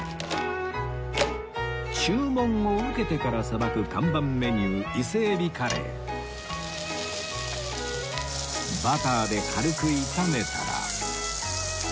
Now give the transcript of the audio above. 注文を受けてからさばく看板メニュー伊勢えびカレーバターで軽く炒めたら